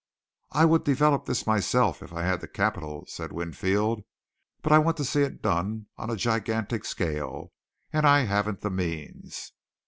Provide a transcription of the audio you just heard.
"I would develop this myself if I had the capital," said Winfield, "but I want to see it done on a gigantic scale, and I haven't the means.